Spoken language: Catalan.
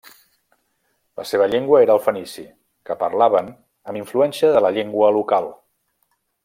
La seva llengua era el fenici, que parlaven amb influència de la llengua local.